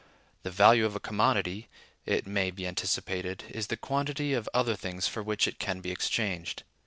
The value of a commodity (it may be anticipated) is the quantity of other things for which it can be exchanged.